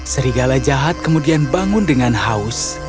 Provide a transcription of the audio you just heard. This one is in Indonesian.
serigala jahat kemudian bangun dengan haus